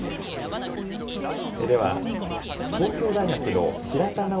では東京大学の平田直